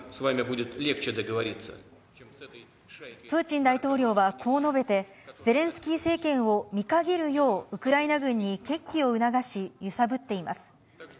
プーチン大統領はこう述べて、ゼレンスキー政権を見限るよう、ウクライナ軍に決起を促し、揺さぶっています。